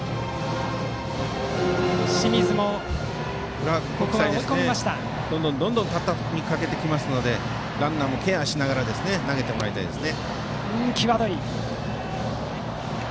クラーク国際はどんどんたたみかけてくるのでランナーもケアしながら投げてもらいたいです。